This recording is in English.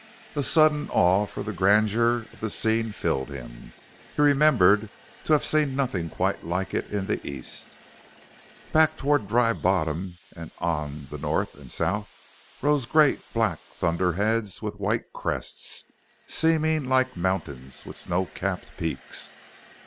A sudden awe for the grandeur of the scene filled him. He remembered to have seen nothing quite like it in the East. Back toward Dry Bottom, and on the north and south, rose great, black thunderheads with white crests, seeming like mountains with snowcapped peaks.